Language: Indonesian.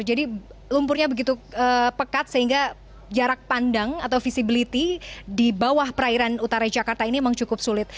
jadi lumpurnya begitu pekat sehingga jarak pandang atau visibility di bawah perairan utara jakarta ini memang cukup sulit